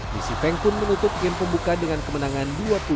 lisi feng pun menutup game pembuka dengan kemenangan dua puluh satu tiga belas